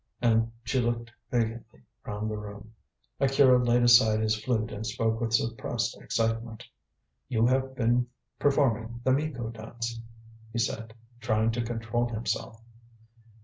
and she looked vacantly round the room. Akira laid aside his flute and spoke with suppressed excitement. "You have been performing the Miko dance," he said, trying to control himself.